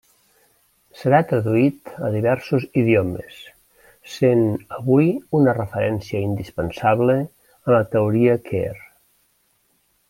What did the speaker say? Serà traduït a diversos idiomes, essent avui una referència indispensable en la teoria queer.